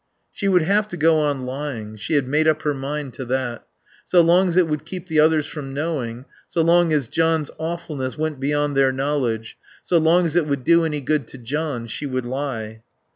She would have to go on lying. She had made up her mind to that. So long as it would keep the others from knowing, so long as John's awfulness went beyond their knowledge, so long as it would do any good to John, she would lie.